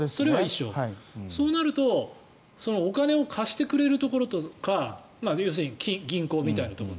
そうなるとお金を貸してくれるところとか要するに銀行みたいなところ。